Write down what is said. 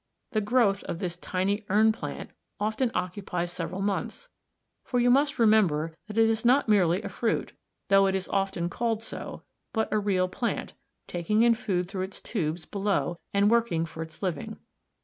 The growth of this tiny urn plant often occupies several months, for you must remember that it is not merely a fruit, though it is often called so, but a real plant, taking in food through its tubes below and working for its living.